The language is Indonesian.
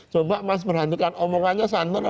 coba mas berhentikan omongannya santun apa enggak